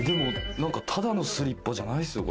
ただのスリッパじゃないっすよ